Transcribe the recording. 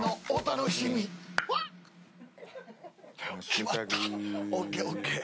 決まった、ＯＫ、ＯＫ！